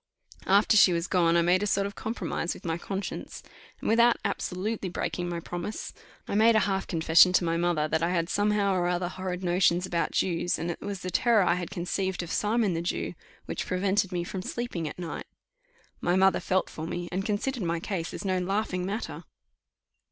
After she was gone I made a sort of compromise with my conscience, and without absolutely breaking my promise, I made a half confession to my mother that I had somehow or other horrid notions about Jews; and that it was the terror I had conceived of Simon the Jew which prevented me from sleeping all night. My mother felt for me, and considered my case as no laughing matter.